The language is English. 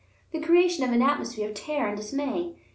The creation of an atmosphere of terror and dismay?